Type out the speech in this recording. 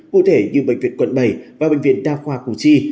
cụ thể như bệnh viện quận bảy và bệnh viện đa khoa củ chi